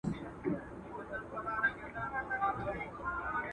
ور څرګند د رڼا ګانو حقیقت وي `